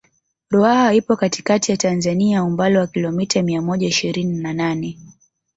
Ruaha ipo katikati ya Tanzania umbali wa kilomita mia moja ishirini na nane